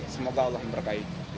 semoga allah memberkati